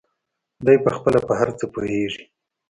دى پخپله په هر څه پوهېږي.